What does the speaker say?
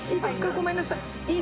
ごめんなさい。